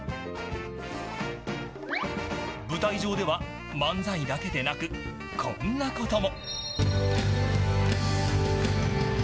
舞台上では漫才だけでなくこんなことも。